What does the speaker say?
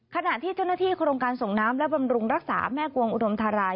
ขณะที่เจ้าหน้าที่โครงการส่งน้ำและบำรุงรักษาแม่กวงอุดมธารา